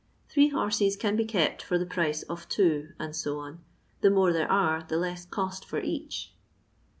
Three horses can be kept for the price of two, and so on; the more there are, the less cost for each.